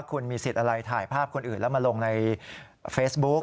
คุณมีสิทธิ์อะไรถ่ายภาพคนอื่นแล้วมาลงในเฟซบุ๊ก